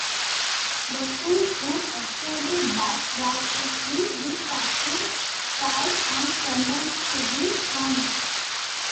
The two soon escaped but were quickly recaptured, tried, and sentenced to be hanged.